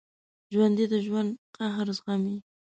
ژوندي د ژوند قهر زغمي